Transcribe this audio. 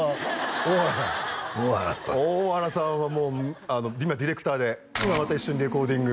大原さん大原さん大原さんは今ディレクターで今また一緒にレコーディング